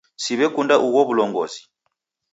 Siw'ekunda ugho w'ulongozi.